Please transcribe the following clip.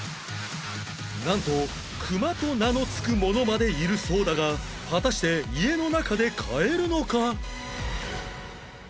なんと「クマ」と名の付くものまでいるそうだが果たして家の中で飼えるのか？